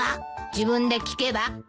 自分で聞けば？